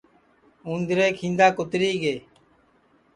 اُندرے کھیندا کُتری گے